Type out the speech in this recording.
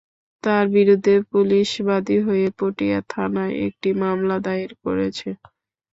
তাঁর বিরুদ্ধে পুলিশ বাদী হয়ে পটিয়া থানায় একটি মামলা দায়ের করেছে।